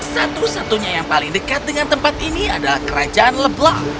satu satunya yang paling dekat dengan tempat ini adalah kerajaan leblong